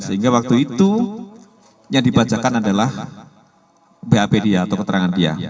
sehingga waktu itu yang dibacakan adalah bap dia atau keterangan dia